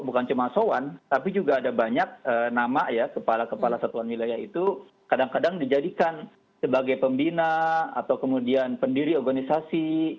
bukan cuma soan tapi juga ada banyak nama ya kepala kepala satuan wilayah itu kadang kadang dijadikan sebagai pembina atau kemudian pendiri organisasi